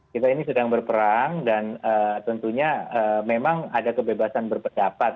kita ini sedang berperang dan tentunya memang ada kebebasan berpendapat